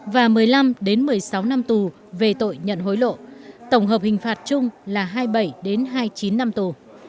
và một mươi năm một mươi sáu năm tù về tội nhận hối lộ tổng hợp hình phạt chung là hai mươi bảy hai mươi chín năm tù